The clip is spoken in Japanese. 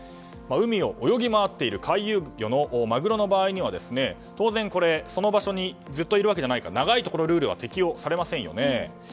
海を泳ぎ回っている回遊魚のマグロの場合には当然、その場所にずっといるわけじゃないから長いところルールは適用されませんよね。